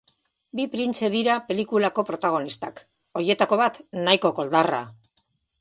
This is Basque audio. Bi printze dira pelikulako protagonistak, horietako bat nahiko koldarra.